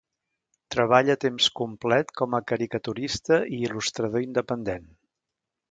Treballa a temps complet com a caricaturista i il·lustrador independent.